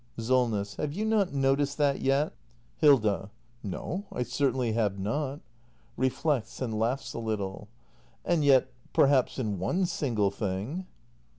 Solness. Have you not noticed that yet ? Hilda. No, I certainly have not. [Reflects and laughs a little.] And yet — perhaps in one single thing.